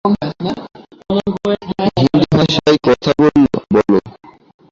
হিন্দি ভাষায় কথা বলো।